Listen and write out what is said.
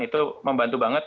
itu membantu banget